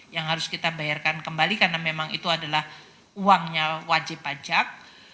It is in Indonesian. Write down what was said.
yang harus kita bayarkan kembali karena memang itu adalah uangnya wajib pajak